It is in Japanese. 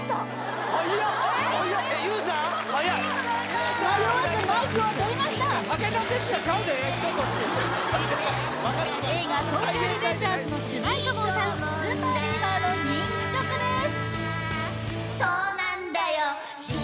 はやい迷わずマイクを取りました映画「東京リベンジャーズ」の主題歌も歌うＳＵＰＥＲＢＥＡＶＥＲの人気曲です